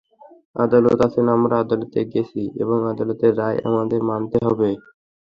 আদালত আছেন, আমরা আদালতে গেছি এবং আদালতের রায় আমাদের মানতে হবে।